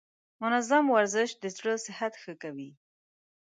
منظم ورزش د زړه صحت ښه کوي.